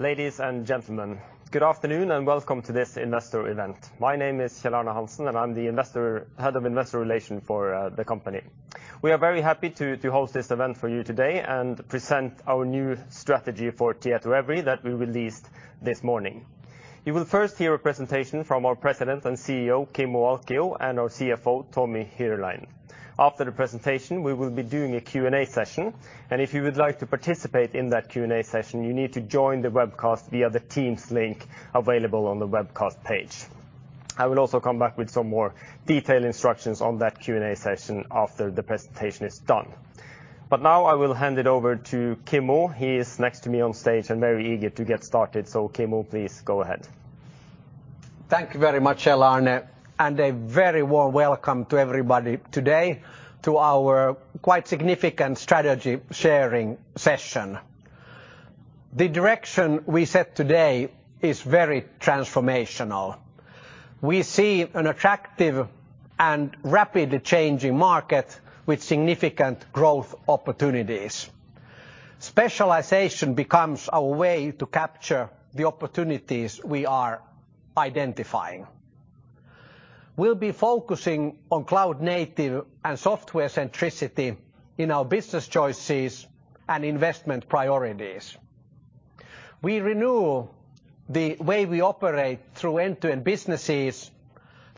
Ladies and gentlemen, good afternoon and welcome to this investor event. My name is Kjell Arne Hansen, and I am the Head of Investor Relations for the company. We are very happy to host this event for you today and present our new strategy for Tietoevry that we released this morning. You will first hear a presentation from our President and Chief Executive Officer, Kimmo Alkio, and our Chief Financial Officer, Tomi Hyryläinen. After the presentation, we will be doing a Q&A session, and if you would like to participate in that Q&A session, you need to join the webcast via the Teams link available on the webcast page. I will also come back with some more detailed instructions on that Q&A session after the presentation is done. Now I will hand it over to Kimmo. He is next to me on stage and very eager to get started. Kimmo, please go ahead. Thank you very much, Kjell Arne, and a very warm welcome to everybody today to our quite significant strategy sharing session. The direction we set today is very transformational. We see an attractive and rapidly changing market with significant growth opportunities. Specialization becomes our way to capture the opportunities we are identifying. We'll be focusing on cloud native and software centricity in our business choices and investment priorities. We renew the way we operate through end-to-end businesses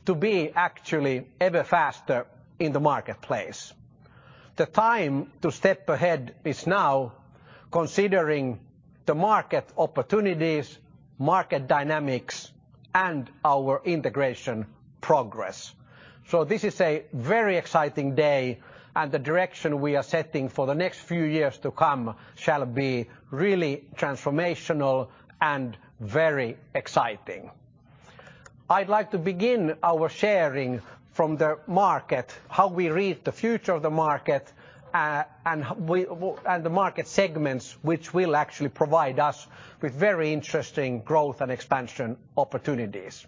to be actually ever faster in the marketplace. The time to step ahead is now, considering the market opportunities, market dynamics, and our integration progress. This is a very exciting day, and the direction we are setting for the next few years to come shall be really transformational and very exciting. I'd like to begin our sharing from the market, how we read the future of the market, and the market segments, which will actually provide us with very interesting growth and expansion opportunities.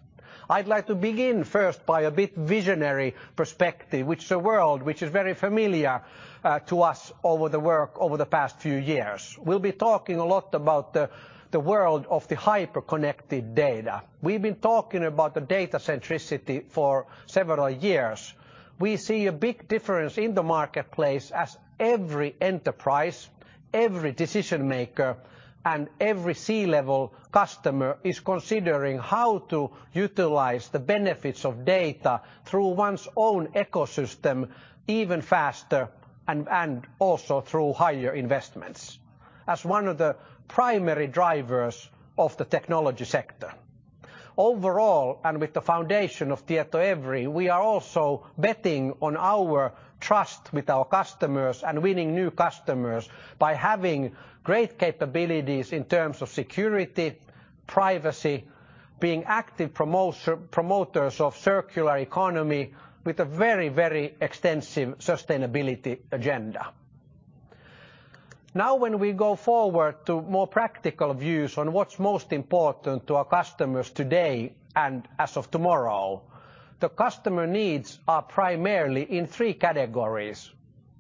I'd like to begin first by a bit visionary perspective, which is a world which is very familiar to us over the work over the past few years. We'll be talking a lot about the world of the hyper-connected data. We've been talking about the data centricity for several years. We see a big difference in the marketplace as every enterprise, every decision maker, and every C-level customer is considering how to utilize the benefits of data through one's own ecosystem even faster and also through higher investments as one of the primary drivers of the technology sector. Overall, with the foundation of Tietoevry, we are also betting on our trust with our customers and winning new customers by having great capabilities in terms of security, privacy, being active promoters of circular economy with a very extensive sustainability agenda. When we go forward to more practical views on what's most important to our customers today, and as of tomorrow, the customer needs are primarily in 3 categories.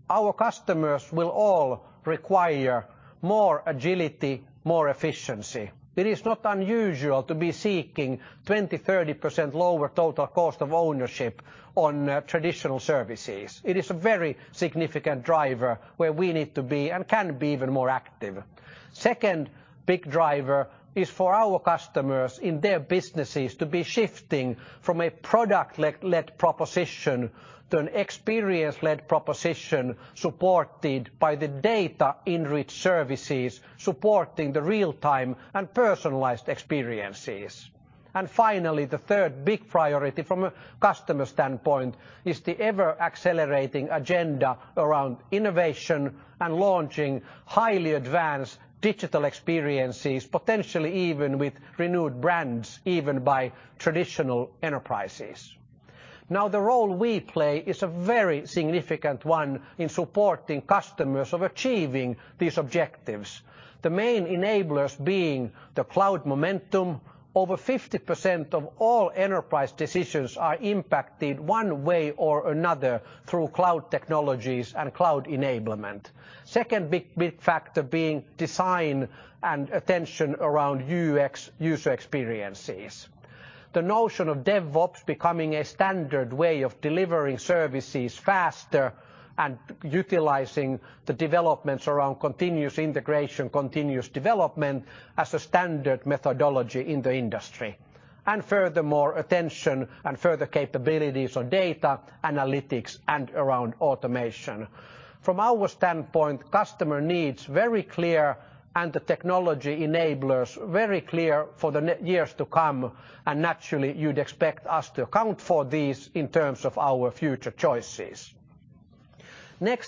Our customers will all require more agility, more efficiency. It is not unusual to be seeking 20%, 30% lower total cost of ownership on traditional services. It is a very significant driver where we need to be and can be even more active. Second big driver is for our customers in their businesses to be shifting from a product-led proposition to an experience-led proposition supported by the data-enriched services, supporting the real-time and personalized experiences. Finally, the third big priority from a customer standpoint is the ever-accelerating agenda around innovation and launching highly advanced digital experiences, potentially even with renewed brands, even by traditional enterprises. The role we play is a very significant one in supporting customers of achieving these objectives. The main enablers being the cloud momentum. Over 50% of all enterprise decisions are impacted one way or another through cloud technologies and cloud enablement. second big factor being design and attention around UX, user experiences. The notion of DevOps becoming a standard way of delivering services faster and utilizing the developments around continuous integration, continuous development as a standard methodology in the industry. Furthermore, attention and further capabilities on data analytics and around automation. From our standpoint, customer needs very clear, and the technology enablers very clear for the years to come, naturally, you'd expect us to account for these in terms of our future choices.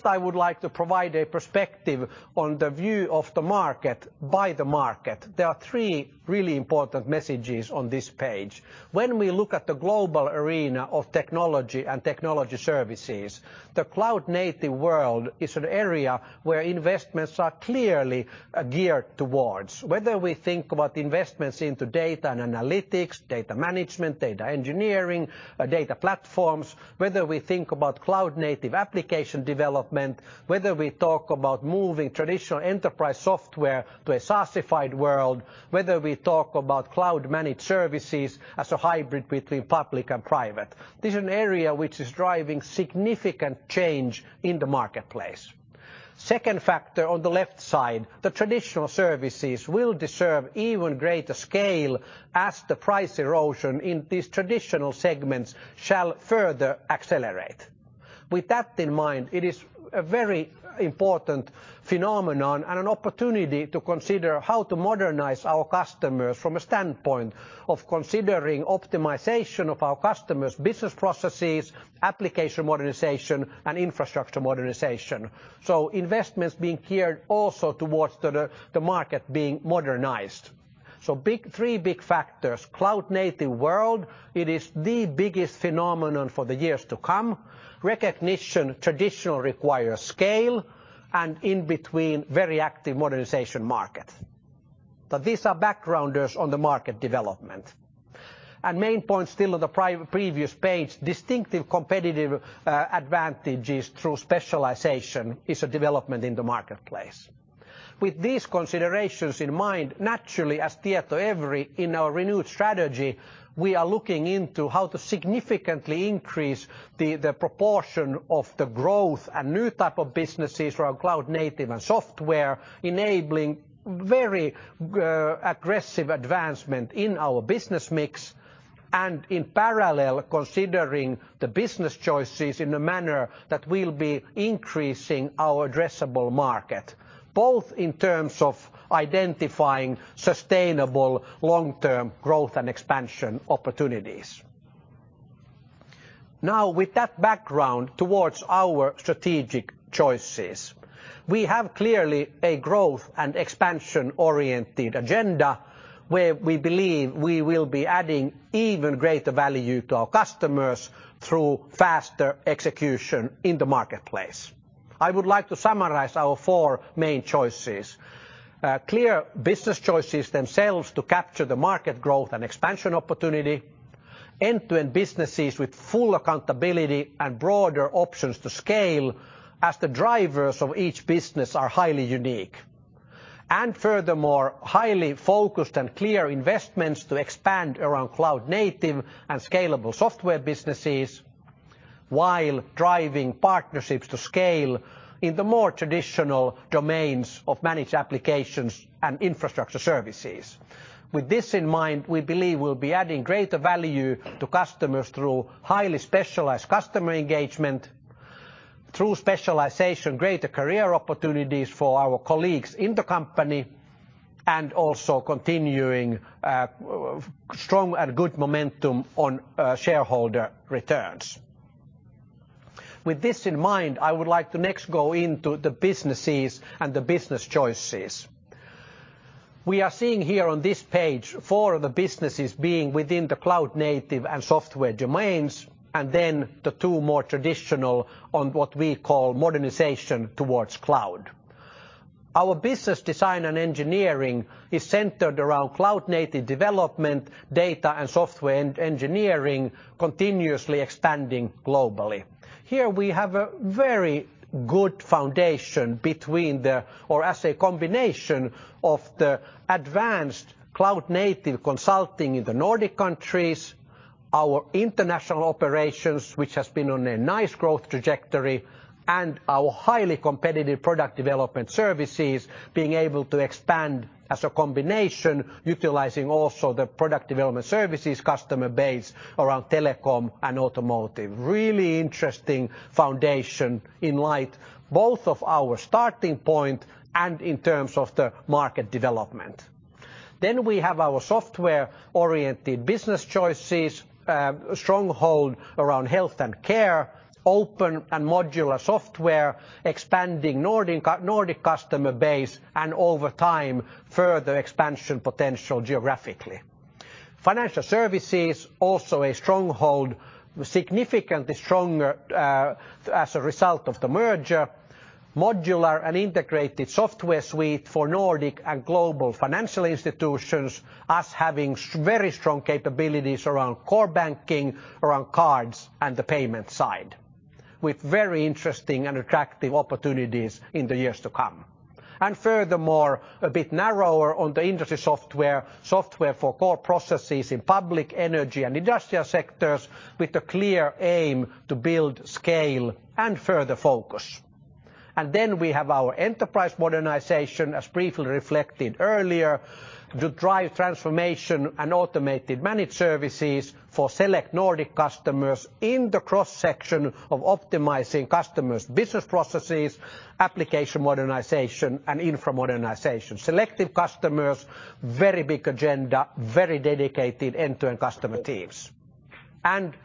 I would like to provide a perspective on the view of the market by the market. There are three really important messages on this page. We look at the global arena of technology and technology services, the cloud-native world is an area where investments are clearly geared towards. Whether we think about investments into data and analytics, data management, data engineering, data platforms, whether we think about cloud-native application development, whether we talk about moving traditional enterprise software to a SaaSified world, whether we talk about cloud-managed services as a hybrid between public and private. This is an area that is driving significant change in the marketplace. Second factor on the left side, the traditional services will deserve even greater scale as the price erosion in these traditional segments shall further accelerate. With that in mind, it is a very important phenomenon and an opportunity to consider how to modernize our customers from a standpoint of considering optimization of our customers' business processes, application modernization, and infrastructure modernization. Investments being geared also towards the market being modernized. Three big factors. cloud-native world, it is the biggest phenomenon for the years to come. Recognition, traditional requires scale, and in between, very active modernization market. These are backgrounders on the market development. Main point still on the previous page, distinctive competitive advantages through specialization is a development in the marketplace. With these considerations in mind, naturally as Tietoevry in our renewed strategy, we are looking into how to significantly increase the proportion of the growth and new type of businesses around cloud native and software, enabling very aggressive advancement in our business mix, and in parallel, considering the business choices in a manner that will be increasing our addressable market, both in terms of identifying sustainable long-term growth and expansion opportunities. With that background towards our strategic choices, we have clearly a growth and expansion-oriented agenda, where we believe we will be adding even greater value to our customers through faster execution in the marketplace. I would like to summarize our four main choices. Clear business choices themselves to capture the market growth and expansion opportunity, end-to-end businesses with full accountability and broader options to scale as the drivers of each business are highly unique. Furthermore, highly focused and clear investments to expand around cloud native and scalable software businesses while driving partnerships to scale in the more traditional domains of managed applications and infrastructure services. With this in mind, we believe we'll be adding greater value to customers through highly specialized customer engagement, through specialization, greater career opportunities for our colleagues in the company, and also continuing strong and good momentum on shareholder returns. With this in mind, I would like to next go into the businesses and the business choices. We are seeing here on this page four of the businesses being within the cloud native and software domains, and then the two more traditional on what we call modernization towards cloud. Our business design and engineering is centered around cloud native development, data and software engineering, continuously expanding globally. Here we have a very good foundation between the, or as a combination of the advanced cloud native consulting in the Nordic countries, our international operations, which has been on a nice growth trajectory, and our highly competitive product development services being able to expand as a combination, utilizing also the product development services customer base around telecom and automotive. Really interesting foundation in light both of our starting point and in terms of the market development. We have our software-oriented business choices, a stronghold around health and care, open and modular software, expanding Nordic customer base, and over time, further expansion potential geographically. Financial services also a stronghold, significantly stronger as a result of the merger. Modular and integrated software suite for Nordic and global financial institutions, us having very strong capabilities around core banking, around cards, and the payment side, with very interesting and attractive opportunities in the years to come. Furthermore, a bit narrower on the industry software for core processes in public energy and industrial sectors with a clear aim to build scale and further focus. Then we have our enterprise modernization, as briefly reflected earlier, to drive transformation and automated managed services for select Nordic customers in the cross-section of optimizing customers' business processes, application modernization, and infra modernization. Selective customers, very big agenda, very dedicated end-to-end customer teams.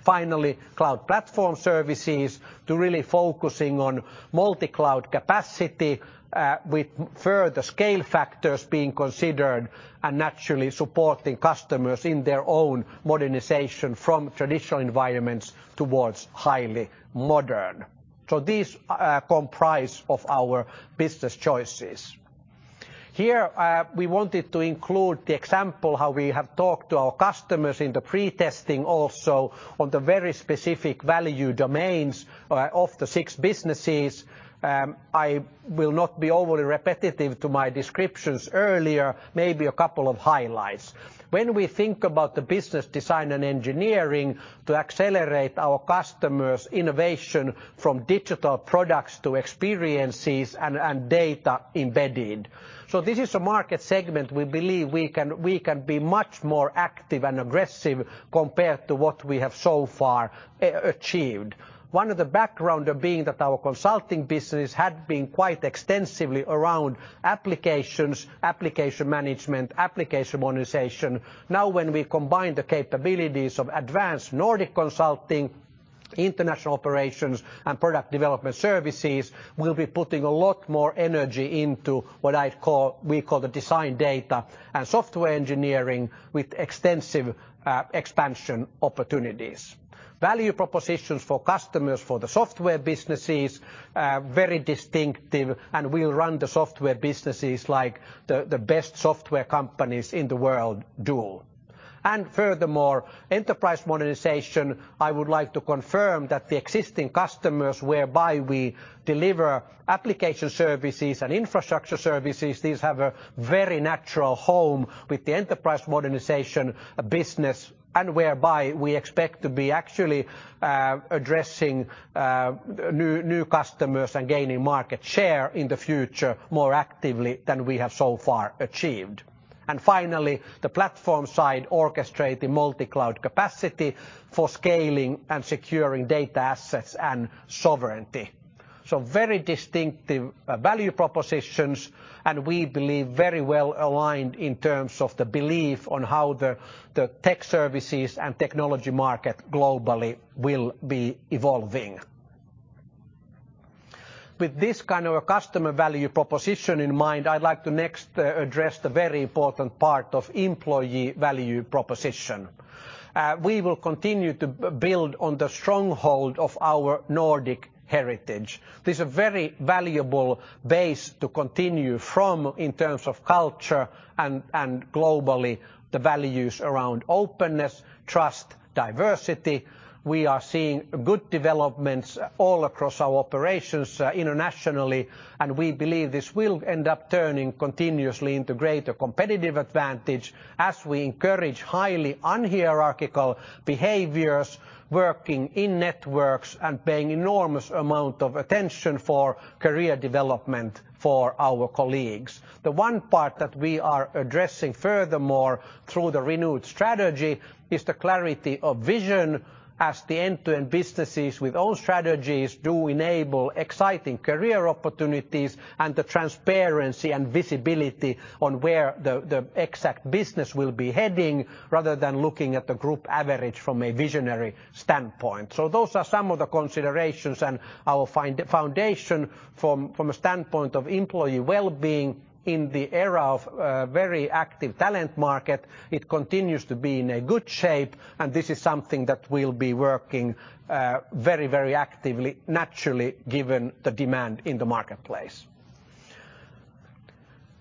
Finally, cloud platform services to really focusing on multi-cloud capacity with further scale factors being considered and naturally supporting customers in their own modernization from traditional environments towards highly modern. These comprise of our business choices. Here, we wanted to include the example how we have talked to our customers in the pre-testing also on the very specific value domains of the six businesses. I will not be overly repetitive to my descriptions earlier, maybe a couple of highlights. When we think about the business design and engineering to accelerate our customers' innovation from digital products to experiences and data embedded. This is a market segment we believe we can be much more active and aggressive compared to what we have so far achieved. One of the background of being that our consulting business had been quite extensively around applications, application management, application modernization. Now when we combine the capabilities of Advanced Nordic Consulting, international operations, and product development services, we'll be putting a lot more energy into what we call the Business Design and Engineering with extensive expansion opportunities. Value propositions for customers for the software businesses, very distinctive and will run the software businesses like the best software companies in the world do. Furthermore, Enterprise Modernization, I would like to confirm that the existing customers whereby we deliver application services and infrastructure services, these have a very natural home with the Enterprise Modernization business and whereby we expect to be actually addressing new customers and gaining market share in the future more actively than we have so far achieved. Finally, the platform side orchestrate the multi-cloud capacity for scaling and securing data assets and sovereignty. Very distinctive value propositions, we believe very well-aligned in terms of the belief on how the tech services and technology market globally will be evolving. With this kind of a customer value proposition in mind, I'd like to next address the very important part of employee value proposition. We will continue to build on the stronghold of our Nordic heritage. This is a very valuable base to continue from in terms of culture and globally, the values around openness, trust, diversity. We are seeing good developments all across our operations internationally, we believe this will end up turning continuously into greater competitive advantage as we encourage highly unhierarchical behaviors, working in networks and paying enormous amount of attention for career development for our colleagues. The one part that we are addressing furthermore through the renewed strategy is the clarity of vision as the end-to-end businesses with own strategies do enable exciting career opportunities and the transparency and visibility on where the exact business will be heading, rather than looking at the group average from a visionary standpoint. Those are some of the considerations and our foundation from a standpoint of employee wellbeing in the era of very active talent market, it continues to be in a good shape, and this is something that we'll be working very actively, naturally, given the demand in the marketplace.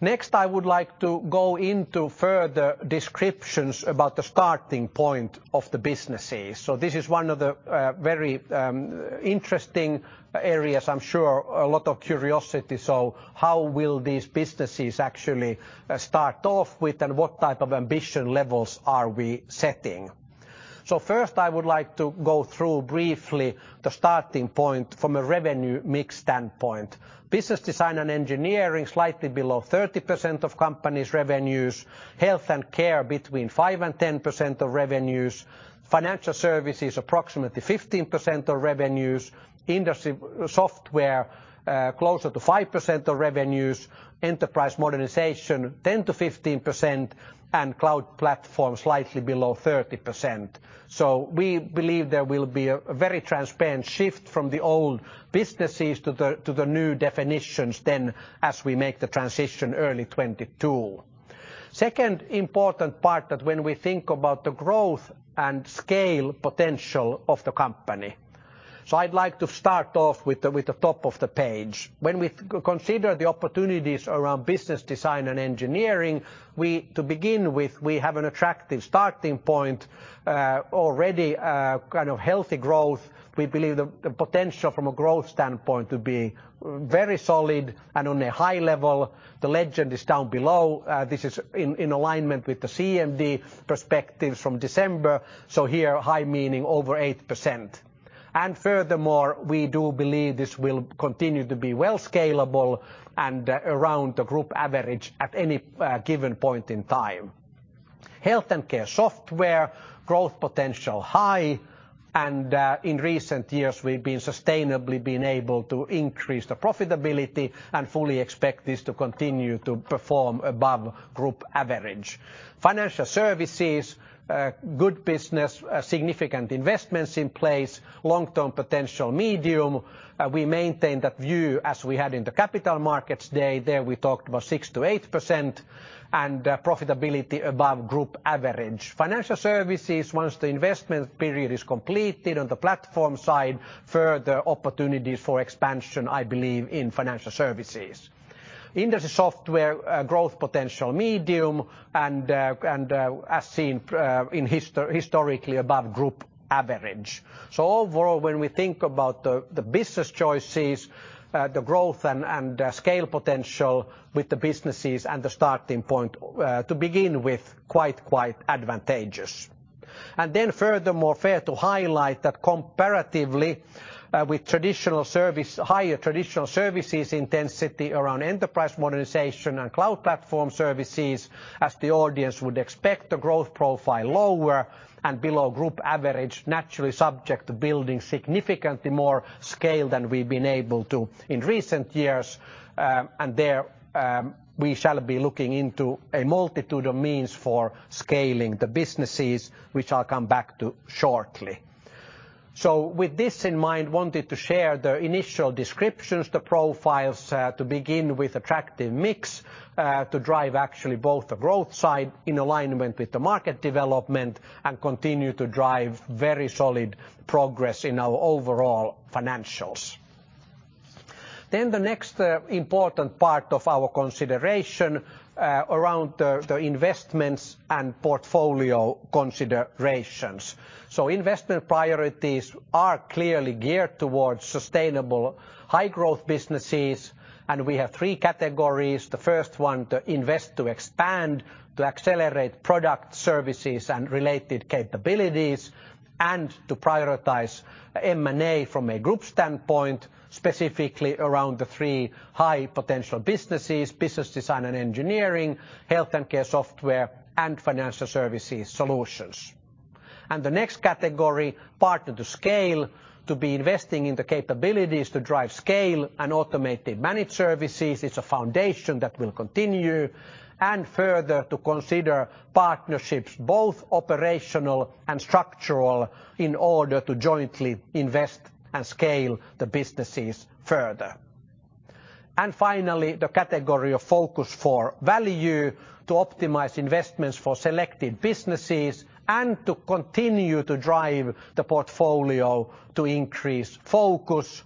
Next, I would like to go into further descriptions about the starting point of the businesses. This is one of the very interesting areas. I'm sure a lot of curiosity. How will these businesses actually start off with, and what type of ambition levels are we setting? First I would like to go through briefly the starting point from a revenue mix standpoint. Business design and engineering, slightly below 30% of company's revenues, Health and care between 5%-10% of revenues. Financial services, approximately 15% of revenues, Industry software closer to 5% of revenues, Enterprise modernization 10%-15%, and Cloud platform slightly below 30%. We believe there will be a very transparent shift from the old businesses to the new definitions then as we make the transition early 2022. Second important part that when we think about the growth and scale potential of the company. I'd like to start off with the top of the page. When we consider the opportunities around business design and engineering, to begin with, we have an attractive starting point, already a kind of healthy growth. We believe the potential from a growth standpoint to be very solid and on a high level. The legend is down below. This is in alignment with the CMD perspectives from December. Here, high meaning over 8%. Furthermore, we do believe this will continue to be well scalable and around the group average at any given point in time. Health and care software growth potential high, and in recent years, we've sustainably been able to increase the profitability and fully expect this to continue to perform above group average. Financial services, good business, significant investments in place, long-term potential medium. We maintain that view as we had in the Capital Markets Day. There we talked about 6%-8% and profitability above group average. financial services, once the investment period is completed on the platform side, further opportunities for expansion, I believe in financial services. industry software growth potential medium, as seen historically above group average. Overall, when we think about the business choices, the growth and scale potential with the businesses and the starting point to begin with, quite advantageous. Furthermore, fair to highlight that comparatively with higher traditional services intensity around enterprise modernization and cloud platform services, as the audience would expect, the growth profile lower and below group average, naturally subject to building significantly more scale than we've been able to in recent years. There, we shall be looking into a multitude of means for scaling the businesses, which I'll come back to shortly. With this in mind, wanted to share the initial descriptions, the profiles to begin with attractive mix to drive actually both the growth side in alignment with the market development and continue to drive very solid progress in our overall financials. The next important part of our consideration around the investments and portfolio considerations. Investment priorities are clearly geared towards sustainable high growth businesses, and we have three categories. The 1st one, to invest to expand, to accelerate product services and related capabilities, and to prioritize M&A from a group standpoint, specifically around the three high potential businesses: business design and engineering, health and care software, and financial services solutions. The next category, partner to scale, to be investing in the capabilities to drive scale and automated managed services. It's a foundation that will continue, and further to consider partnerships, both operational and structural, in order to jointly invest and scale the businesses further. Finally, the category of focus for value to optimize investments for selected businesses and to continue to drive the portfolio to increase focus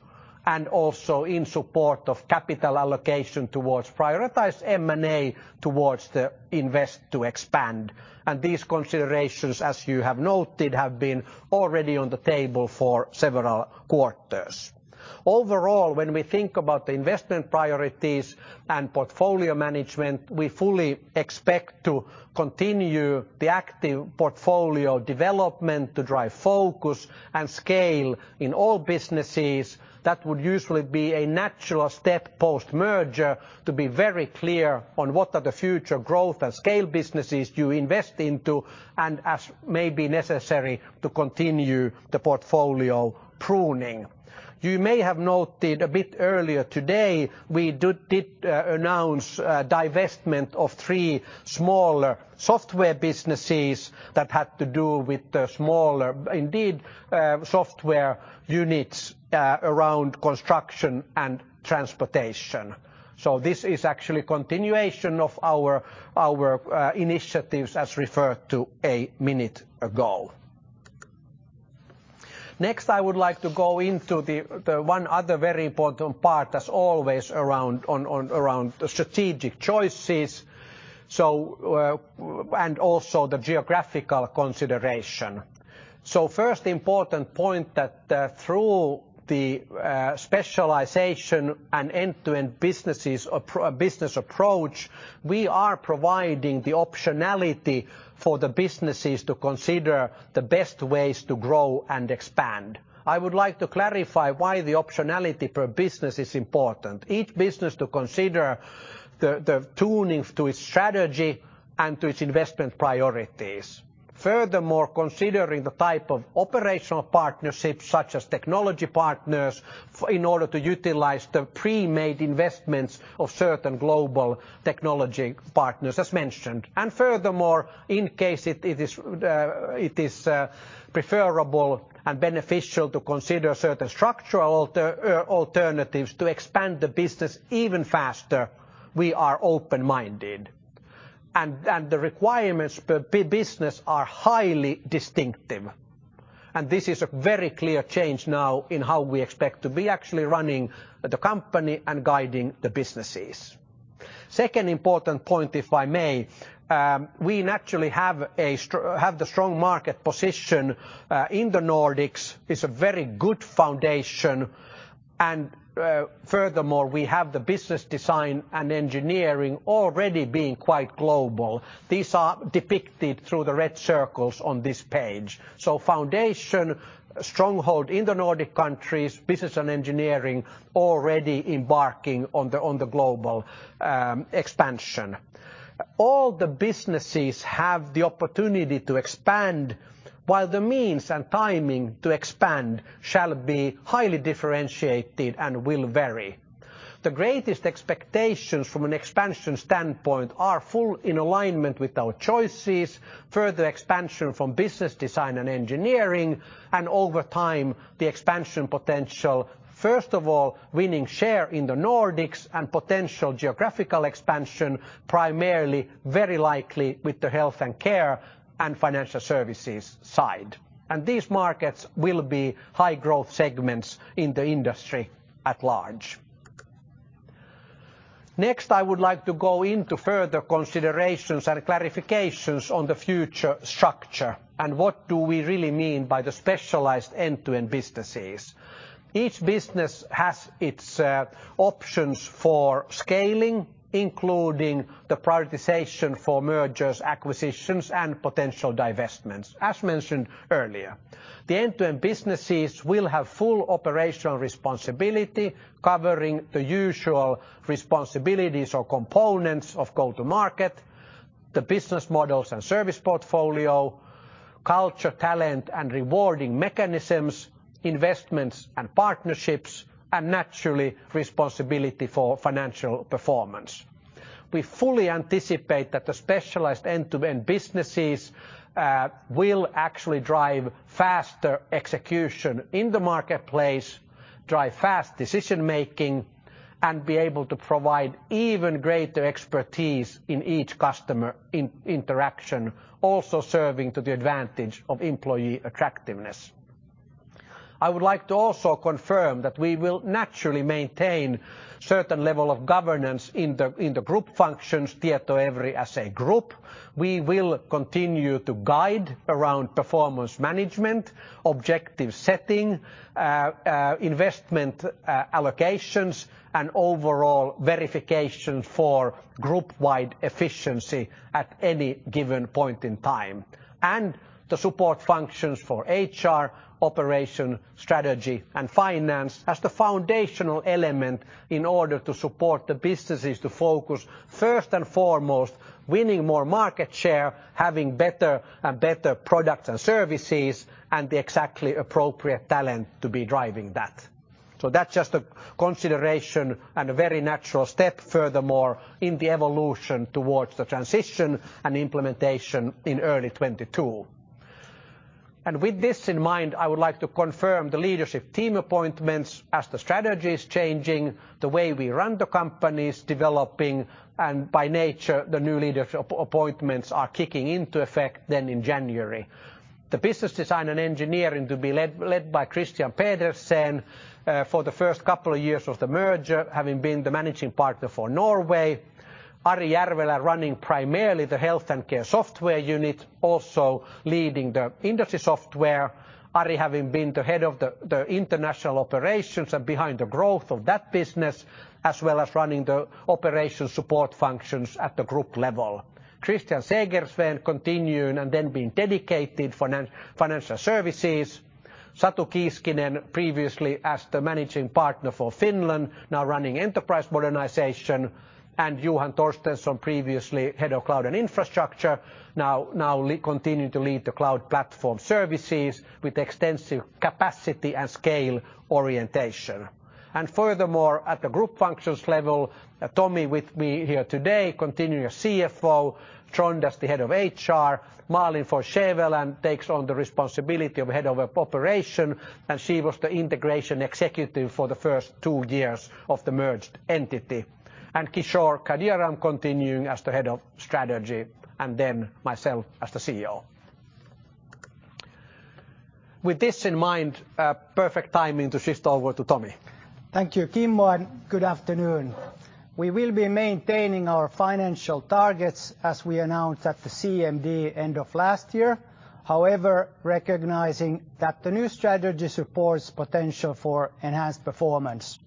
and also in support of capital allocation towards prioritized M&A towards the invest to expand. These considerations, as you have noted, have been already on the table for several quarters. Overall, when we think about the investment priorities and portfolio management, we fully expect to continue the active portfolio development to drive focus and scale in all businesses. That would usually be a natural step post-merger to be very clear on what are the future growth and scale businesses you invest into and as may be necessary to continue the portfolio pruning. You may have noted a bit earlier today, we did announce divestment of three smaller software businesses that had to do with the smaller, indeed, software units around construction and transportation. This is actually continuation of our initiatives as referred to a minute ago. I would like to go into the one other very important part as always around the strategic choices, and also the geographical consideration. First important point that through the specialization and end-to-end business approach, we are providing the optionality for the businesses to consider the best ways to grow and expand. I would like to clarify why the optionality per business is important. Each business to consider the tuning to its strategy and to its investment priorities. Furthermore, considering the type of operational partnerships such as technology partners in order to utilize the pre-made investments of certain global technology partners as mentioned. Furthermore, in case it is preferable and beneficial to consider certain structural alternatives to expand the business even faster, we are open-minded. The requirements per business are highly distinctive. This is a very clear change now in how we expect to be actually running the company and guiding the businesses. Second important point, if I may, we naturally have the strong market position in the Nordics. It's a very good foundation. Furthermore, we have the business design and engineering already being quite global. These are depicted through the red circles on this page. Foundation, stronghold in the Nordic countries, business and engineering already embarking on the global expansion. All the businesses have the opportunity to expand, while the means and timing to expand shall be highly differentiated and will vary. The greatest expectations from an expansion standpoint are full in alignment with our choices, further expansion from business design and engineering, and over time, the expansion potential, first of all, winning share in the Nordics and potential geographical expansion, primarily very likely with the health and care and financial services side. These markets will be high growth segments in the industry at large. Next, I would like to go into further considerations and clarifications on the future structure and what do we really mean by the specialized end-to-end businesses. Each business has its options for scaling, including the prioritization for mergers, acquisitions, and potential divestments, as mentioned earlier. The end-to-end businesses will have full operational responsibility covering the usual responsibilities or components of go to market, the business models and service portfolio, culture, talent, and rewarding mechanisms, investments and partnerships, and naturally, responsibility for financial performance. We fully anticipate that the specialized end-to-end businesses will actually drive faster execution in the marketplace, drive fast decision-making, and be able to provide even greater expertise in each customer interaction, also serving to the advantage of employee attractiveness. I would like to also confirm that we will naturally maintain certain level of governance in the group functions, Tietoevry as a group. We will continue to guide around performance management, objective setting, investment allocations, and overall verification for group-wide efficiency at any given point in time. The support functions for Human Resource, operation, strategy, and finance as the foundational element in order to support the businesses to focus first and foremost, winning more market share, having better products and services, and the exactly appropriate talent to be driving that. That's just a consideration and a very natural step, furthermore, in the evolution towards the transition and implementation in early 2022. With this in mind, I would like to confirm the leadership team appointments as the strategy is changing, the way we run the company is developing, and by nature, the new leadership appointments are kicking into effect then in January. The Business Design and Engineering to be led by Christian Pedersen for the first couple of years of the merger, having been the managing partner for Norway. Ari Järvelä running primarily the Health and Care software unit, also leading the Industry Software. Ari having been the head of the international operations and behind the growth of that business, as well as running the operation support functions at the group level. Christian Segersven continuing and then being dedicated Financial Services. Satu Kiiskinen previously as the Managing Partner, Finland, now running enterprise modernization, and Johan Torstensson previously Head of Cloud & Infra, now continuing to lead the cloud platform services with extensive capacity and scale orientation. Furthermore, at the group functions level, Tomi with me here today, continuing as Chief Financial Officer. Trond as the Head of Human Resource. Malin Fors-Skjæveland takes on the responsibility of Head of Operations, and she was the integration executive for the first two years of the merged entity. Kishore Ghadiyaram continuing as the Head of Strategy, and then myself as the Chief Executive Officer. With this in mind, perfect timing to shift over to Tomi. Thank you, Kimmo, and good afternoon. We will be maintaining our financial targets as we announced at the CMD end of last year. Recognizing that the new strategy supports potential for enhanced performance.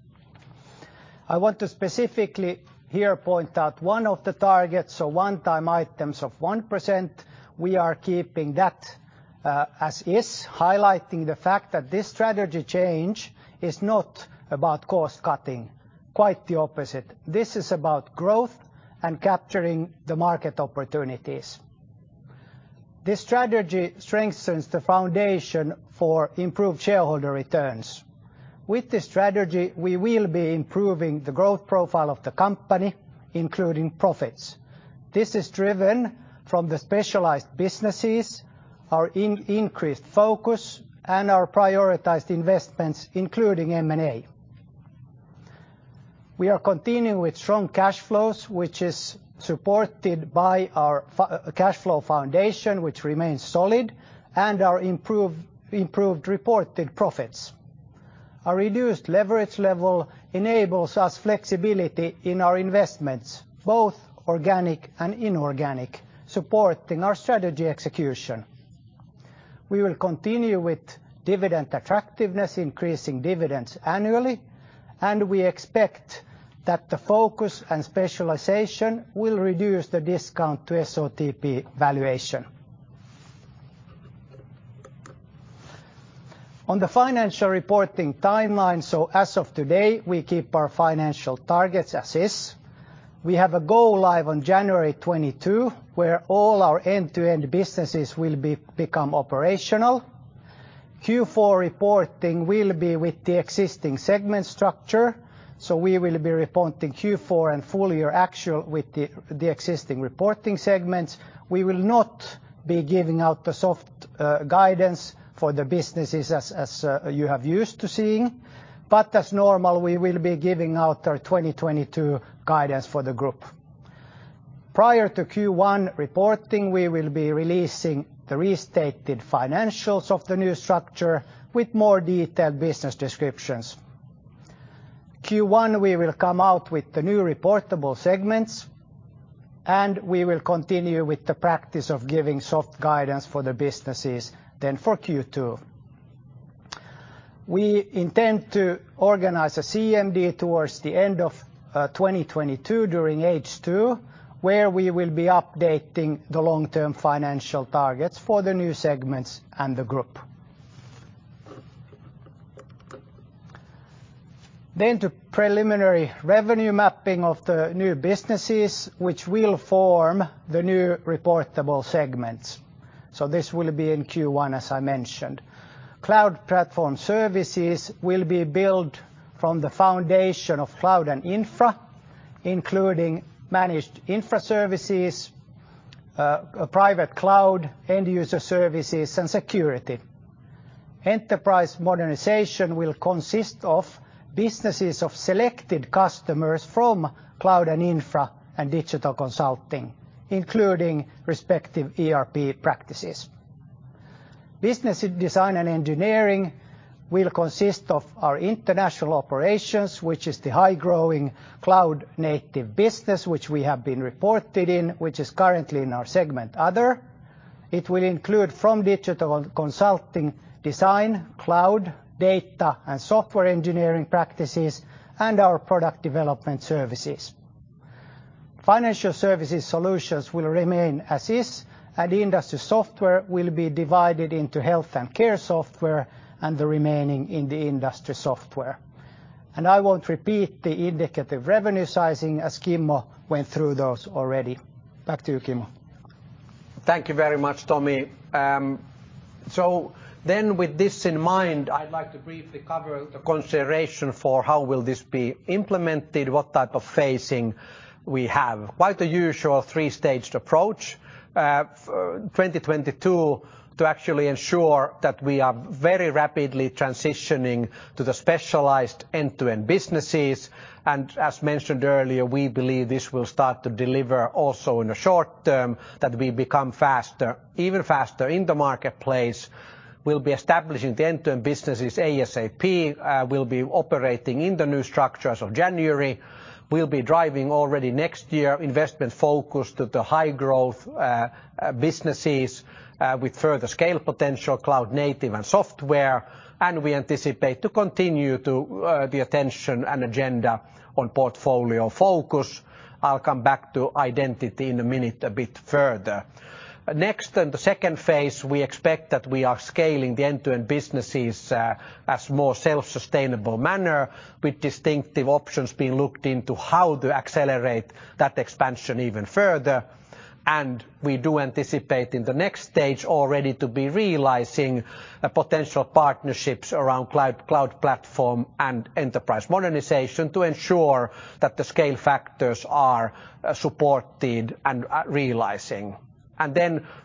I want to specifically here point out one of the targets, one-time items of 1%, we are keeping that as is, highlighting the fact that this strategy change is not about cost-cutting. Quite the opposite. This is about growth and capturing the market opportunities. This strategy strengthens the foundation for improved shareholder returns. With this strategy, we will be improving the growth profile of the company, including profits. This is driven from the specialized businesses, our increased focus, and our prioritized investments, including M&A. We are continuing with strong cash flows, which is supported by our cash flow foundation, which remains solid, and our improved reported profits. Our reduced leverage level enables us flexibility in our investments, both organic and inorganic, supporting our strategy execution. We will continue with dividend attractiveness, increasing dividends annually, and we expect that the focus and specialization will reduce the discount to SOTP valuation. On the financial reporting timeline, as of today, we keep our financial targets as is. We have a go live on January 22, where all our end-to-end businesses will become operational. Q4 reporting will be with the existing segment structure. We will be reporting Q4 and full year actual with the existing reporting segments. We will not be giving out the soft guidance for the businesses as you have used to seeing, but as normal, we will be giving out our 2022 guidance for the group. Prior to Q1 reporting, we will be releasing the restated financials of the new structure with more detailed business descriptions. Q1, we will come out with the new reportable segments, and we will continue with the practice of giving soft guidance for the businesses then for Q2. We intend to organize a CMD towards the end of 2022 during H2, where we will be updating the long-term financial targets for the new segments and the group. To preliminary revenue mapping of the new businesses, which will form the new reportable segments. This will be in Q1, as I mentioned. cloud platform services will be built from the foundation of cloud and infra, including managed infra services, private cloud, end-user services, and security. enterprise modernization will consist of businesses of selected customers from cloud and infra and digital consulting, including respective ERP practices. Business design and engineering will consist of our international operations, which is the high-growing cloud-native business, which we have been reported in, which is currently in our segment other. It will include from digital consulting design, cloud, data, and software engineering practices, and our product development services. Financial services solutions will remain as is. Industry software will be divided into health and care software and the remaining in the industry software. I won't repeat the indicative revenue sizing, as Kimmo went through those already. Back to you, Kimmo. Thank you very much, Tomi. With this in mind, I'd like to briefly cover the consideration for how will this be implemented, what type of phasing we have. Quite the usual three-staged approach. 2022 to actually ensure that we are very rapidly transitioning to the specialized end-to-end businesses. As mentioned earlier, we believe this will start to deliver also in the short term that we become even faster in the marketplace. We'll be establishing the end-to-end businesses ASAP. We'll be operating in the new structures of January. We'll be driving already next year investment focus to the high-growth businesses with further scale potential, cloud native, and software. We anticipate to continue the attention and agenda on portfolio focus. I'll come back to identity in a minute a bit further. In phase 2, we expect that we are scaling the end-to-end businesses as more self-sustainable manner with distinctive options being looked into how to accelerate that expansion even further. We do anticipate in the next stage already to be realizing potential partnerships around cloud platform and enterprise modernization to ensure that the scale factors are supported and realizing.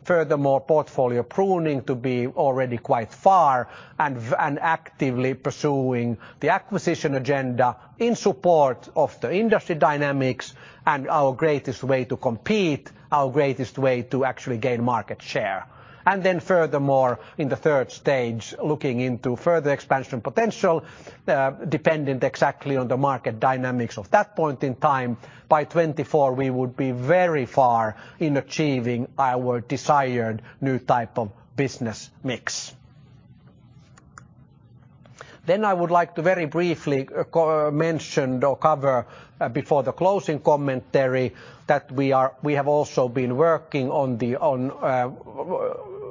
Furthermore, portfolio pruning to be already quite far and actively pursuing the acquisition agenda in support of the industry dynamics and our greatest way to compete, our greatest way to actually gain market share. Furthermore, in stage 3, looking into further expansion potential, dependent exactly on the market dynamics of that point in time. By 2024, we would be very far in achieving our desired new type of business mix. I would like to very briefly mention or cover before the closing commentary that we have also been working on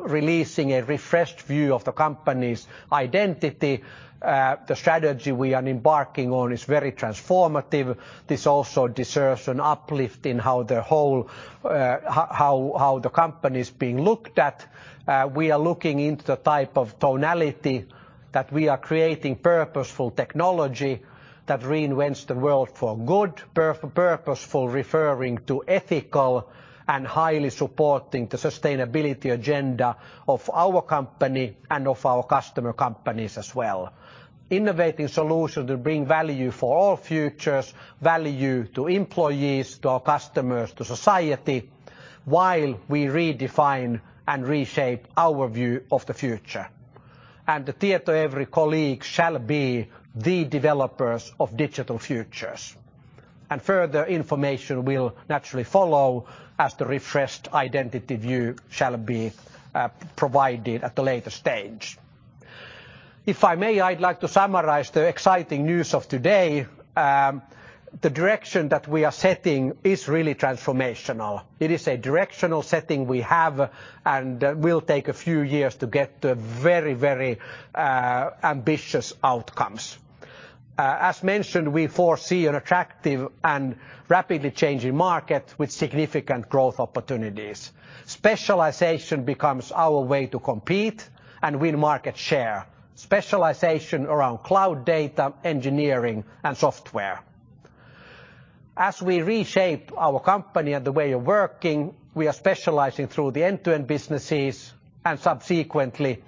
releasing a refreshed view of the company's identity. The strategy we are embarking on is very transformative. This also deserves an uplift in how the company is being looked at. We are looking into the type of tonality that we are creating purposeful technology that reinvents the world for good. Purposeful referring to ethical and highly supporting the sustainability agenda of our company and of our customer companies as well. Innovating solutions to bring value for all futures, value to employees, to our customers, to society, while we redefine and reshape our view of the future. The Tietoevry colleague shall be the developers of digital futures. Further information will naturally follow as the refreshed identity view shall be provided at a later stage. If I may, I'd like to summarize the exciting news of today. The direction that we are setting is really transformational. It is a directional setting we have and will take a few years to get the very, very ambitious outcomes. As mentioned, we foresee an attractive and rapidly changing market with significant growth opportunities. Specialization becomes our way to compete and win market share, specialization around cloud data, engineering, and software. As we reshape our company and the way of working, we are specializing through the end-to-end businesses and subsequently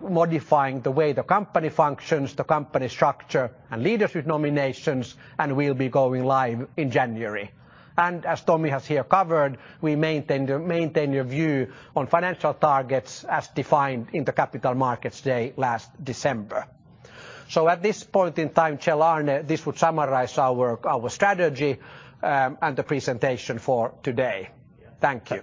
modifying the way the company functions, the company structure, and leadership nominations. We'll be going live in January. As Tomi has here covered, we maintain the view on financial targets as defined in the Capital Markets Day last December. At this point in time, Kjell Arne, this would summarize our strategy and the presentation for today. Thank you.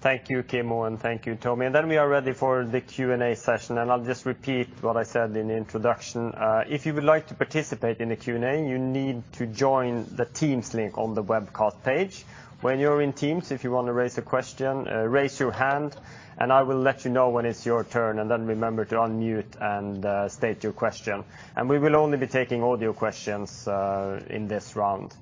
Thank you, Kimmo, thank you, Tomi. We are ready for the Q&A session. I'll just repeat what I said in the introduction. If you would like to participate in the Q&A, you need to join the Teams link on the webcast page. When you're in Teams, if you want to raise a question, raise your hand and I will let you know when it's your turn. Remember to unmute and state your question. We will only be taking audio questions in this round.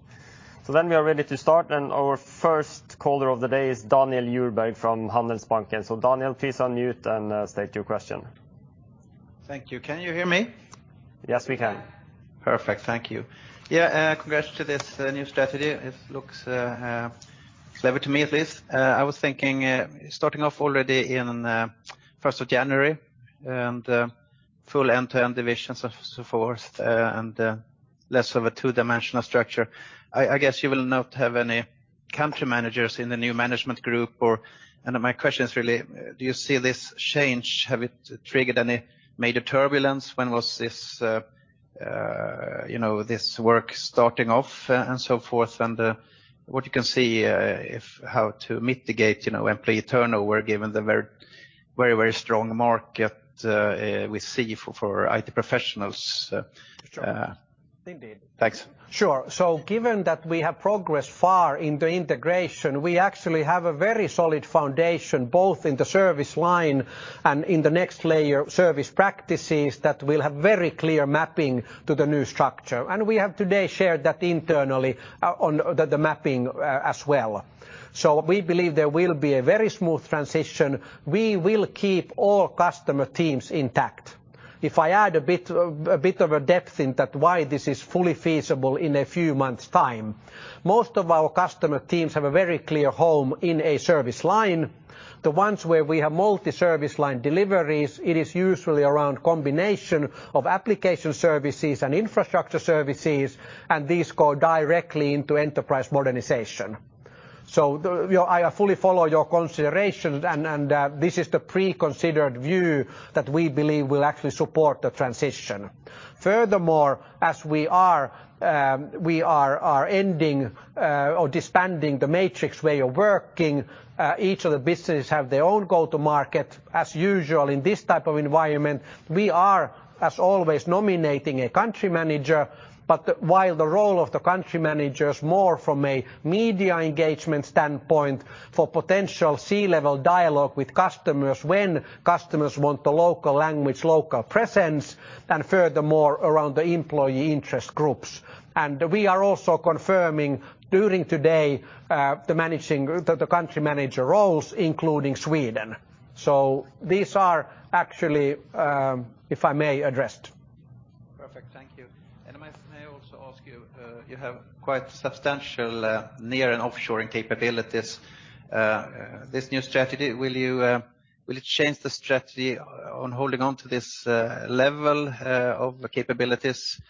We are ready to start. Our first caller of the day is Daniel Djurberg from Handelsbanken. Daniel, please unmute and state your question. Thank you. Can you hear me? Yes, we can. Perfect. Thank you. Yeah, congrats to this new strategy. It looks clever to me, at least. I was thinking, starting off already in 1st of January and full end-to-end divisions and so forth, and less of a two-dimensional structure. I guess you will not have any country managers in the new management group. My question is really, do you see this change? Has it triggered any major turbulence? When was this work starting off and so forth? What you can see, how to mitigate employee turnover given the very strong market we see for IT professionals. Sure. Indeed. Thanks. Sure. Given that we have progressed far in the integration, we actually have a very solid foundation, both in the service line and in the next layer service practices that will have very clear mapping to the new structure. We have today shared that internally on the mapping as well. We believe there will be a very smooth transition. We will keep all customer teams intact. If I add a bit of a depth in that why this is fully feasible in a few months' time. Most of our customer teams have a very clear home in a service line. The ones where we have multi-service line deliveries, it is usually around combination of application services and infrastructure services, and these go directly into Enterprise Modernization. I fully follow your considerations, and this is the pre-considered view that we believe will actually support the transition. Furthermore, as we are ending or disbanding the matrix way of working, each of the business have their own go-to-market. As usual in this type of environment, we are, as always, nominating a country manager, but while the role of the country manager is more from a media engagement standpoint for potential C-level dialogue with customers when customers want the local language, local presence, and furthermore, around the employee interest groups. We are also confirming during today, the country manager roles, including Sweden. These are actually, if I may, addressed. Perfect. Thank you. May I also ask you have quite substantial near and offshoring capabilities. This new strategy, will it change the strategy on holding on to this level of capabilities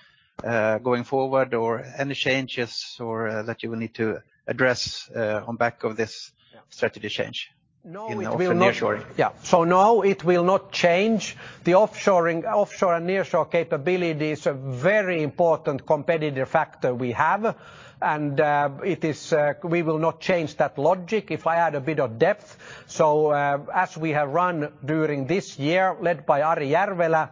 going forward, or any changes, or that you will need to address on back of this strategy change? No, it will not. in offshore and nearshore? Yeah. No, it will not change. The offshore and nearshore capability is a very important competitive factor we have, and we will not change that logic. If I add a bit of depth, as we have run during this year, led by Ari Järvelä,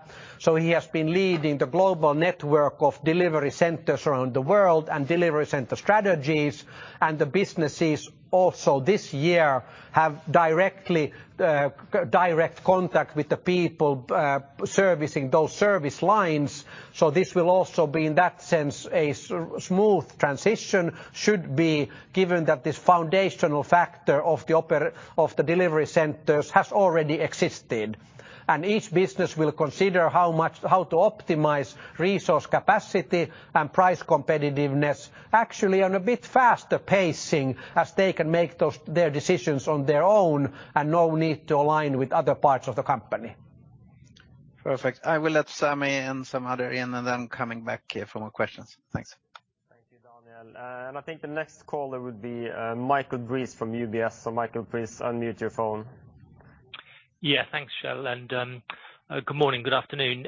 he has been leading the global network of delivery centers around the world and delivery center strategies. The businesses also this year have direct contact with the people servicing those service lines. This will also be, in that sense, a smooth transition should be given that this foundational factor of the delivery centers has already existed. Each business will consider how to optimize resource capacity and price competitiveness actually on a bit faster pacing as they can make their decisions on their own and no need to align with other parts of the company. Perfect. I will let Sami and some other in and then coming back here for more questions. Thanks. Thank you, Daniel. I think the next caller would be Michael Briest from UBS. Michael, please unmute your phone. Yeah. Thanks, Kjell, and good morning, good afternoon.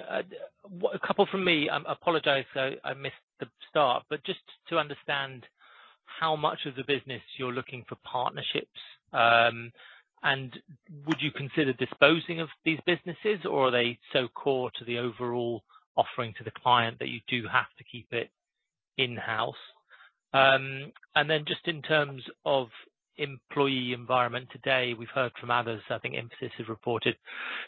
A couple from me. I apologize if I missed the start, but just to understand how much of the business you're looking for partnerships, and would you consider disposing of these businesses, or are they so core to the overall offering to the client that you do have to keep it in-house? Then just in terms of employee environment, today, we've heard from others, I think Infosys has reported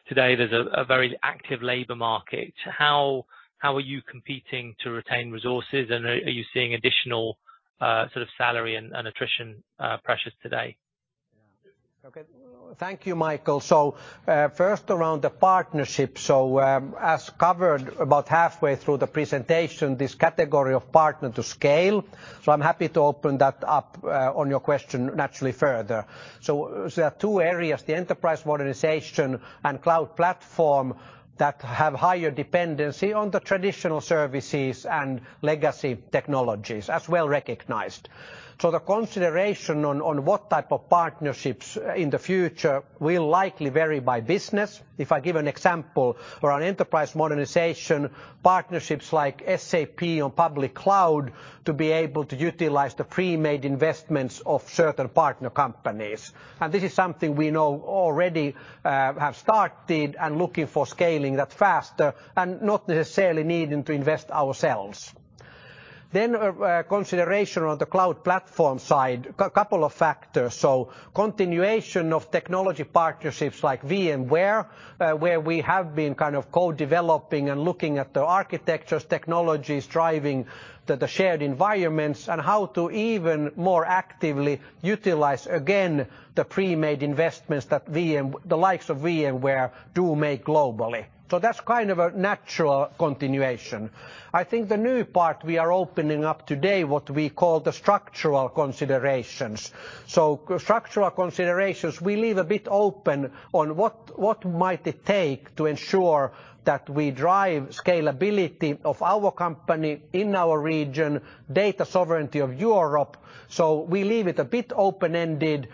today there's a very active labor market. How are you competing to retain resources, and are you seeing additional sort of salary and attrition pressures today? Thank you, Michael. Around the partnership. As covered about halfway through the presentation, this category of partner to scale. I'm happy to open that up on your question naturally further. There are 2 areas, the Enterprise Modernization and Cloud Platform, that have higher dependency on the traditional services and legacy technologies, as well recognized. The consideration on what type of partnerships in the future will likely vary by business. If I give an example around Enterprise Modernization, partnerships like SAP on public cloud to be able to utilize the pre-made investments of certain partner companies. This is something we know already have started and looking for scaling that faster and not necessarily needing to invest ourselves. A consideration on the Cloud Platform side, couple of factors. Continuation of technology partnerships like VMware, where we have been co-developing and looking at the architectures, technologies driving the shared environments and how to even more actively utilize, again, the pre-made investments that the likes of VMware do make globally. That's a natural continuation. I think the new part we are opening up today, what we call the structural considerations. Structural considerations we leave a bit open on what might it take to ensure that we drive scalability of our company in our region, data sovereignty of Europe. We leave it a bit open-ended,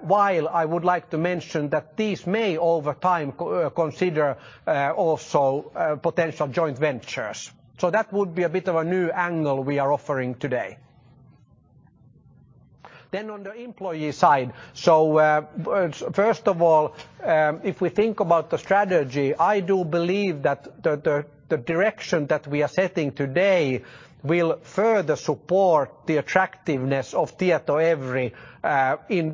while I would like to mention that these may, over time, consider also potential joint ventures. That would be a bit of a new angle we are offering today. Then on the employee side. First of all, if we think about the strategy, I do believe that the direction that we are setting today will further support the attractiveness of Tietoevry in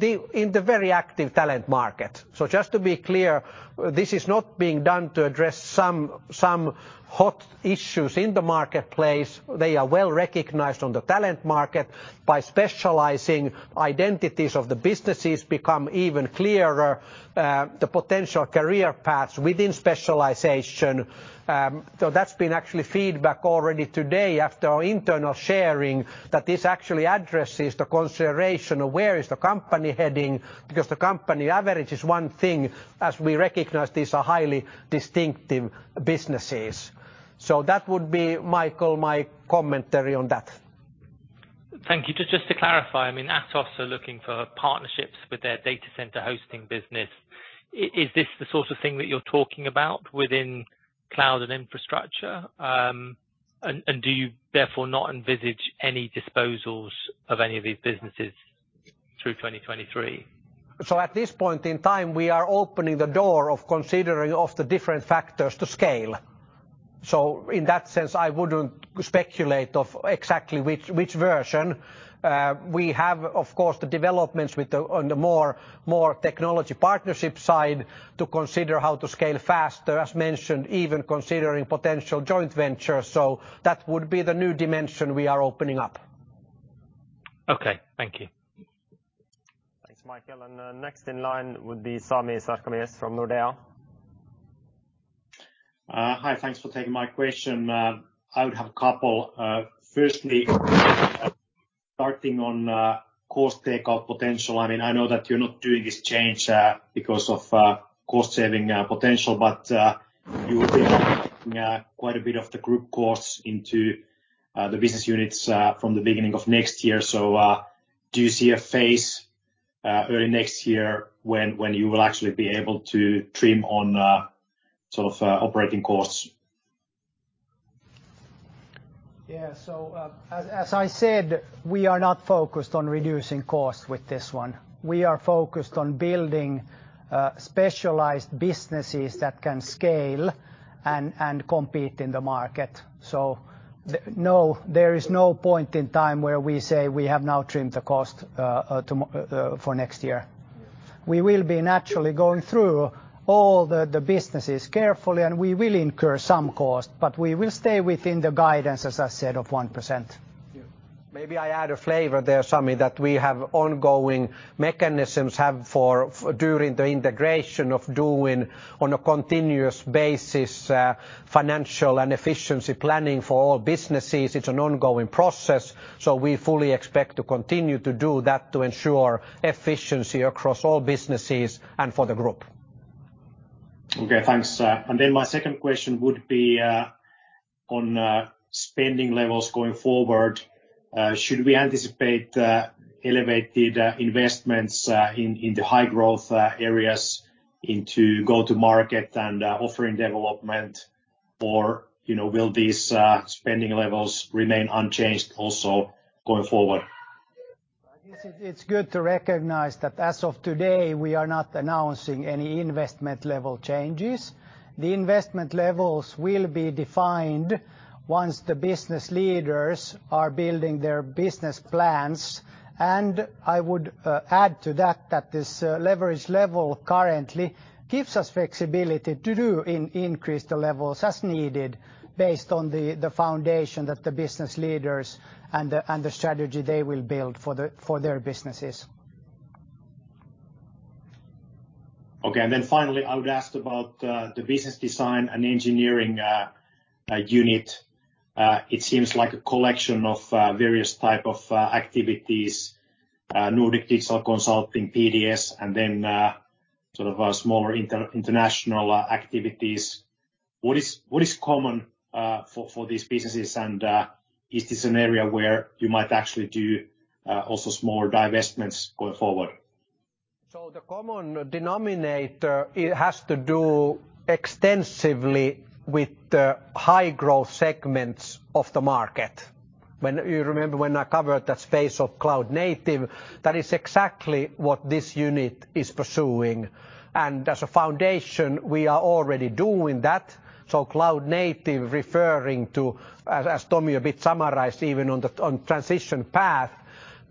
the very active talent market. Just to be clear, this is not being done to address some hot issues in the marketplace. They are well recognized on the talent market by specializing identities of the businesses become even clearer, the potential career paths within specialization. That's been actually feedback already today after our internal sharing that this actually addresses the consideration of where is the company heading, because the company average is one thing, as we recognize these are highly distinctive businesses. That would be, Michael, my commentary on that. Thank you. Just to clarify, Atos are looking for partnerships with their data center hosting business. Is this the sort of thing that you're talking about within cloud and infrastructure? Do you therefore not envisage any disposals of any of these businesses through 2023? At this point in time, we are opening the door of considering of the different factors to scale. In that sense, I wouldn't speculate of exactly which version. We have, of course, the developments on the more technology partnership side to consider how to scale faster, as mentioned, even considering potential joint ventures. That would be the new dimension we are opening up. Okay. Thank you. Thanks, Michael, and next in line would be Sami Sarkamies from Nordea. Hi. Thanks for taking my question. I would have a couple. Firstly, starting on cost takeout potential. I know that you're not doing this change because of cost-saving potential, but you will be taking quite a bit of the group costs into the business units from the beginning of next year. Do you see a phase early next year when you will actually be able to trim on operating costs? As I said, we are not focused on reducing cost with this one. We are focused on building specialized businesses that can scale and compete in the market. No, there is no point in time where we say we have now trimmed the cost for next year. We will be naturally going through all the businesses carefully, and we will incur some cost, but we will stay within the guidance, as I said, of 1%. Maybe I add a flavor there, Sami, that we have ongoing mechanisms during the integration of doing on a continuous basis financial and efficiency planning for all businesses. It's an ongoing process, so we fully expect to continue to do that to ensure efficiency across all businesses and for the group. Okay, thanks. My second question would be on spending levels going forward. Should we anticipate elevated investments in the high-growth areas into go-to market and offering development, or will these spending levels remain unchanged also going forward? It's good to recognize that as of today, we are not announcing any investment level changes. The investment levels will be defined once the business leaders are building their business plans. I would add to that this leverage level currently gives us flexibility to increase the levels as needed based on the foundation that the business leaders and the strategy they will build for their businesses. Okay. Then finally, I would ask about the business design and engineering unit. It seems like a collection of various type of activities, Nordic digital consulting, PDS, and then sort of smaller international activities. What is common for these businesses? Is this an area where you might actually do also smaller divestments going forward? The common denominator, it has to do extensively with the high-growth segments of the market. When you remember when I covered that space of cloud native, that is exactly what this unit is pursuing. As a foundation, we are already doing that. Cloud native referring to, as Tomi a bit summarized, even on transition path,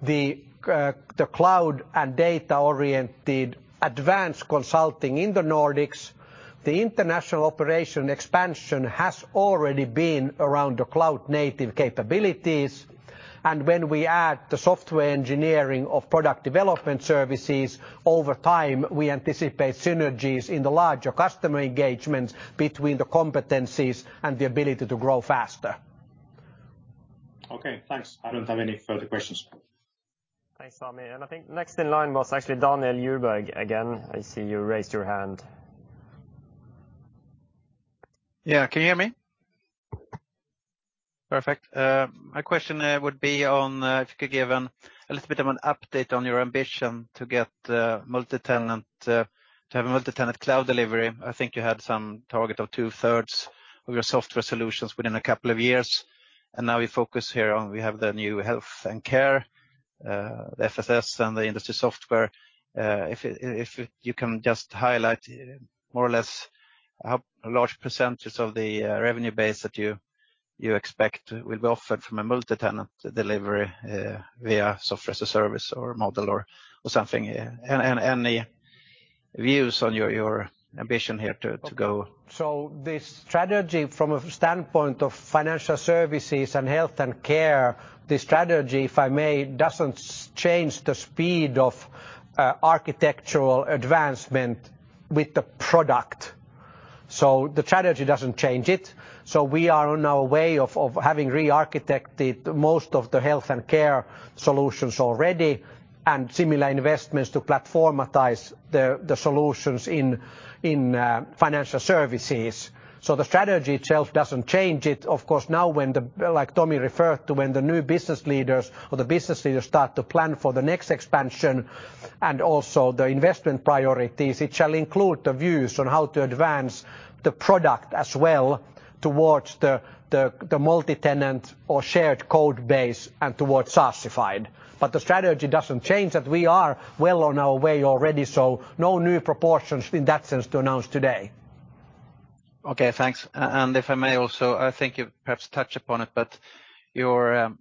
the cloud and data-oriented advanced consulting in the Nordics, the international operation expansion has already been around the cloud native capabilities. When we add the software engineering of product development services, over time, we anticipate synergies in the larger customer engagements between the competencies and the ability to grow faster. Okay, thanks. I don't have any further questions. Thanks, Sami. I think next in line was actually Daniel Djurberg again. I see you raised your hand. Yeah. Can you hear me? Perfect. My question would be on if you could give a little bit of an update on your ambition to have a multi-tenant cloud delivery. I think you had some target of two-thirds of your software solutions within a couple of years. Now we focus here on we have the new Health and Care, the FSS, and the Industry Software. If you can just highlight more or less how large a percent of the revenue base that you expect will be offered from a multi-tenant delivery via software as a service or model or something. Any views on your ambition here to go. The strategy from a standpoint of financial services and health and care, the strategy, if I may, doesn't change the speed of architectural advancement with the product. The strategy doesn't change it. We are on our way of having re-architected most of the health and care solutions already, and similar investments to platformatize the solutions in financial services. The strategy itself doesn't change it. Of course, now when the, like Tomi referred to, when the new business leaders or the business leaders start to plan for the next expansion and also the investment priorities, it shall include the views on how to advance the product as well towards the multi-tenant or shared code base and towards SaaSified. The strategy doesn't change that. We are well on our way already, no new proportions in that sense to announce today. Okay, thanks. If I may also, I think you perhaps touch upon it, but your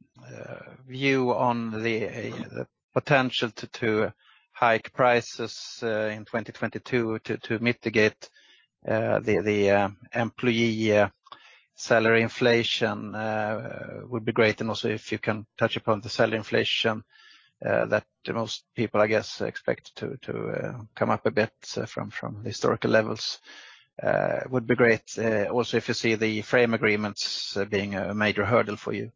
view on the potential to hike prices in 2022 to mitigate the employee salary inflation would be great. Also, if you can touch upon the salary inflation that most people, I guess, expect to come up a bit from historical levels would be great. Also, if you see the frame agreements being a major hurdle for you.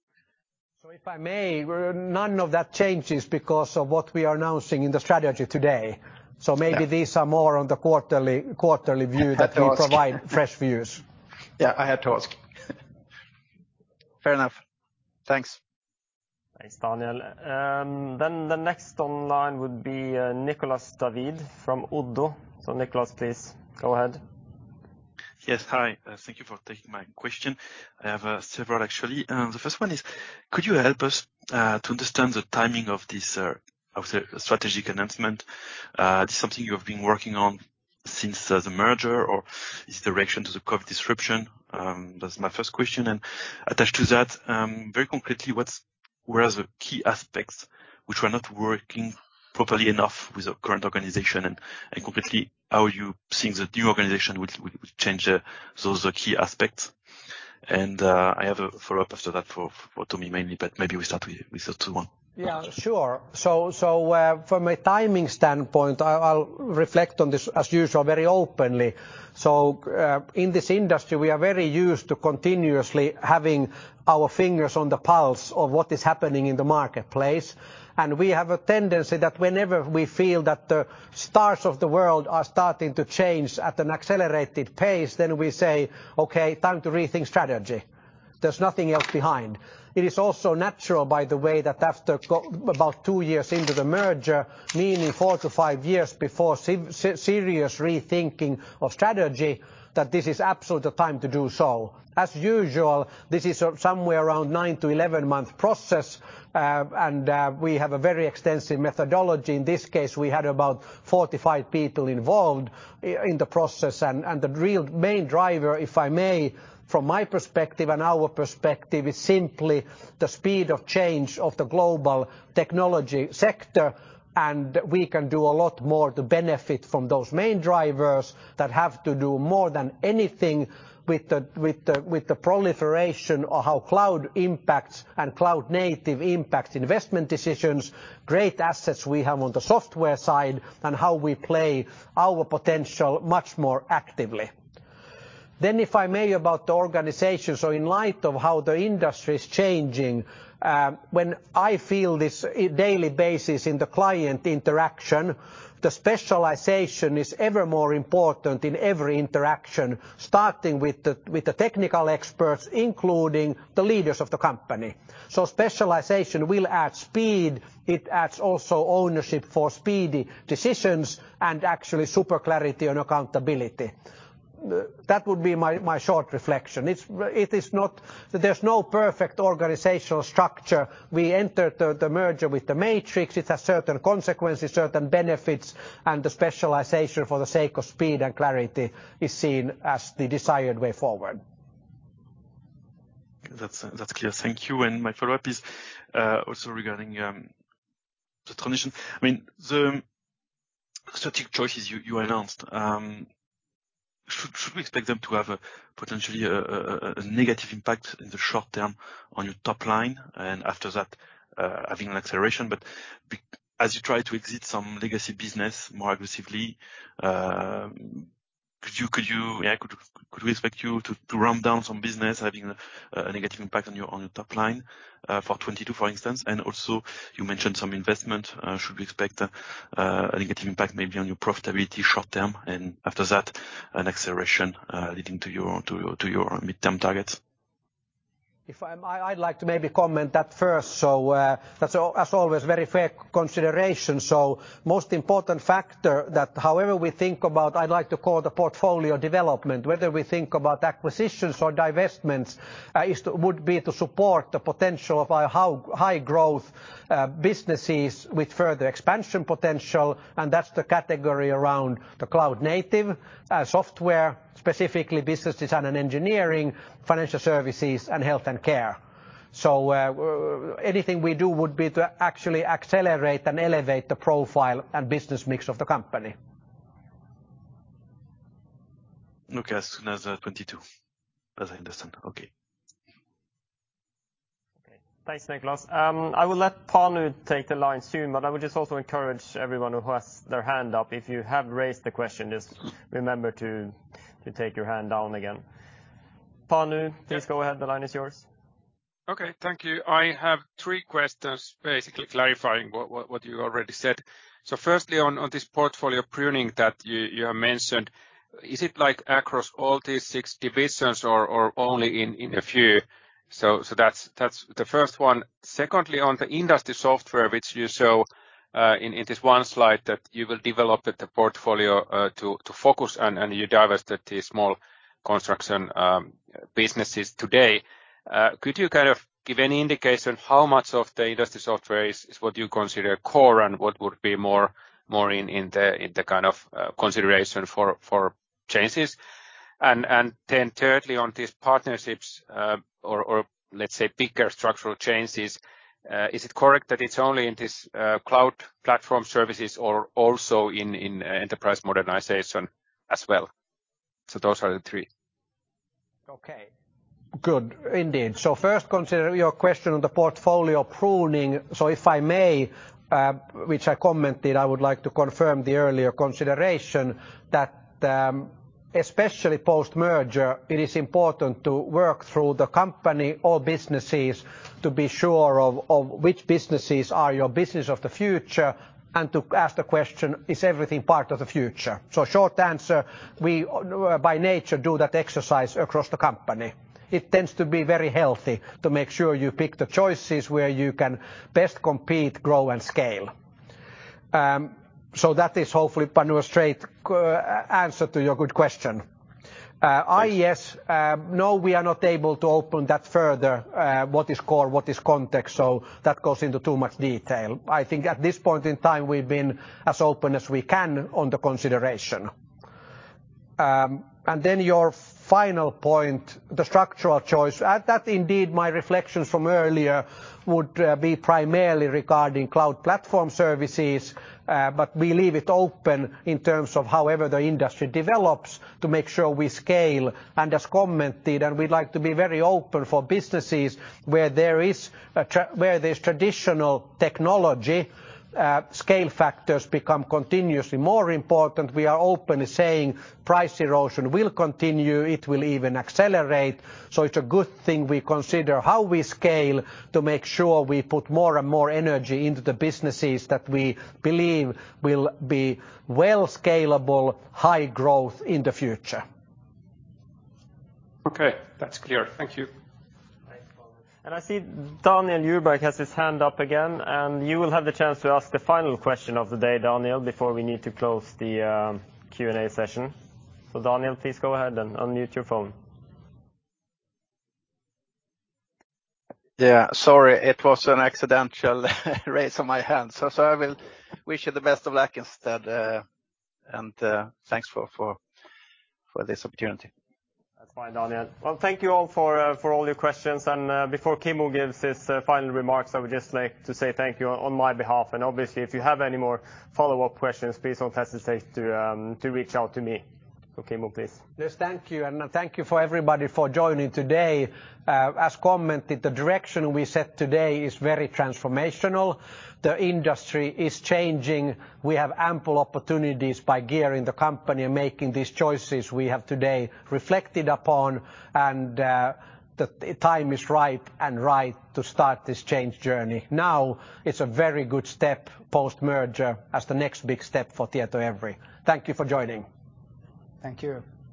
If I may, none of that changes because of what we are announcing in the strategy today. Yeah. Maybe these are more on the quarterly view that we provide fresh views. Yeah, I had to ask. Fair enough. Thanks. Thanks, Daniel. The next online would be Nicolas David from ODDO. Nicolas, please go ahead. Yes. Hi. Thank you for taking my question. I have several, actually. The first one is, could you help us to understand the timing of this strategic announcement? Is this something you have been working on since the merger, or is the reaction to the COVID disruption? That's my first question. Attached to that, very concretely, where are the key aspects which were not working properly enough with the current organization? Concretely, how you think the new organization would change those key aspects? I have a follow-up after that for Tomi mainly, but maybe we start with the first one. Yeah, sure. From a timing standpoint, I'll reflect on this as usual very openly. In this industry, we are very used to continuously having our fingers on the pulse of what is happening in the marketplace. We have a tendency that whenever we feel that the stars of the world are starting to change at an accelerated pace, then we say, "Okay, time to rethink strategy." There's nothing else behind. It is also natural, by the way, that after about two years into the merger, meaning four to five years before serious rethinking of strategy, that this is absolutely the time to do so. As usual, this is somewhere around nine to 11-month process, and we have a very extensive methodology. In this case, we had about 45 people involved in the process, and the real main driver, if I may, from my perspective and our perspective, is simply the speed of change of the global technology sector, and we can do a lot more to benefit from those main drivers that have to do more than anything with the proliferation of how cloud impacts and cloud native impacts investment decisions, great assets we have on the software side, and how we play our potential much more actively. If I may, about the organizations. In light of how the industry is changing, when I feel this daily basis in the client interaction, the specialization is ever more important in every interaction, starting with the technical experts, including the leaders of the company. Specialization will add speed. It adds also ownership for speedy decisions and actually super clarity on accountability. That would be my short reflection. There's no perfect organizational structure. We entered the merger with the matrix. It has certain consequences, certain benefits, and the specialization for the sake of speed and clarity is seen as the desired way forward. That's clear. Thank you. My follow-up is also regarding the transition. The strategic choices you announced, should we expect them to have potentially a negative impact in the short term on your top line, and after that, having an acceleration? As you try to exit some legacy business more aggressively, could we expect you to ramp down some business having a negative impact on your top line, for 2022, for instance? Also you mentioned some investment. Should we expect a negative impact maybe on your profitability short term, and after that, an acceleration leading to your midterm targets? I'd like to maybe comment that first. That's, as always, very fair consideration. Most important factor that however we think about, I'd like to call the portfolio development, whether we think about acquisitions or divestments, would be to support the potential of our high-growth businesses with further expansion potential, and that's the category around the cloud native software, specifically business design and engineering, financial services, and health and care. Anything we do would be to actually accelerate and elevate the profile and business mix of the company. Look as soon as 2022, as I understand. Okay. Great. Thanks, Nicolas. I will let Panu take the line soon, but I would just also encourage everyone who has their hand up, if you have raised the question, just remember to take your hand down again. Panu, please go ahead. The line is yours. Okay. Thank you. I have three questions basically clarifying what you already said. Firstly, on this portfolio pruning that you have mentioned, is it like across all these 6 divisions or only in a few? That's the first one. Secondly, on the Industry Software, which you show in this one slide that you will develop the portfolio to focus and you divest it, the small construction businesses today, could you kind of give any indication how much of the Industry Software is what you consider core and what would be more in the kind of consideration for changes? Thirdly, on these partnerships, or let's say bigger structural changes, is it correct that it's only in this Cloud Platform Services or also in Enterprise Modernization as well? Those are the three. First, consider your question on the portfolio pruning. If I may, which I commented, I would like to confirm the earlier consideration that especially post-merger, it is important to work through the company or businesses to be sure of which businesses are your business of the future and to ask the question, is everything part of the future? Short answer, we by nature do that exercise across the company. It tends to be very healthy to make sure you pick the choices where you can best compete, grow, and scale. That is hopefully, Panu, a straight answer to your good question. Yes. No, we are not able to open that further, what is core, what is context. That goes into too much detail. I think at this point in time, we've been as open as we can on the consideration. Your final point, the structural choice, at that indeed, my reflections from earlier would be primarily regarding cloud platform services, but we leave it open in terms of however the industry develops to make sure we scale. As commented, we'd like to be very open for businesses where there's traditional technology, scale factors become continuously more important. We are openly saying price erosion will continue. It will even accelerate. It's a good thing we consider how we scale to make sure we put more and more energy into the businesses that we believe will be well scalable, high growth in the future. Okay, that's clear. Thank you. Thanks, Panu. I see Daniel Djurberg has his hand up again. You will have the chance to ask the final question of the day, Daniel, before we need to close the Q&A session. Daniel, please go ahead and unmute your phone. Yeah, sorry. It was an accidental raise of my hand. I will wish you the best of luck instead, and thanks for this opportunity. That's fine, Daniel. Well, thank you all for all your questions. Before Kimmo gives his final remarks, I would just like to say thank you on my behalf. Obviously, if you have any more follow-up questions, please don't hesitate to reach out to me. Kimmo, please. Yes, thank you. Thank you for everybody for joining today. As commented, the direction we set today is very transformational. The industry is changing. We have ample opportunities by gearing the company and making these choices we have today reflected upon and the time is ripe and right to start this change journey. Now it's a very good step post-merger as the next big step for Tietoevry. Thank you for joining. Thank you